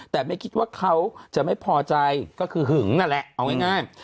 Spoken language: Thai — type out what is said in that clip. แต่ไม่คิดว่าเขาจะไม่พอใจก็คือหึงนั่นแหละเอาง่าย